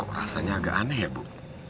rasanya agak aneh ya bu